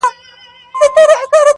نجلۍ په درد کي ښورېږي او ساه يې تنګه ده